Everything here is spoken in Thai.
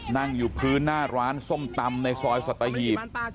นั่งอยู่พื้นหน้าร้านส้มตำในซอยสัตหีบ